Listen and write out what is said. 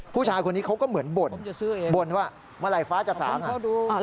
ผู้ชายคนนี้เขาก็เหมือนบ่นบ่นว่าเมื่อไหร่ฟ้าจะสางอ่ะ